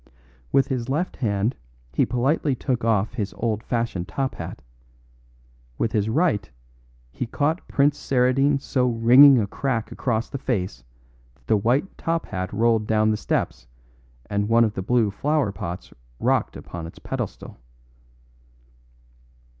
With his left hand he politely took off his old fashioned top hat; with his right he caught Prince Saradine so ringing a crack across the face that the white top hat rolled down the steps and one of the blue flower pots rocked upon its pedestal.